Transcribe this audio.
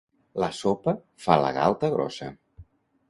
La sopa fa la galta grossa.